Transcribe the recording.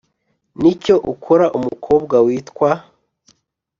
N icyo ukora umukobwa witwa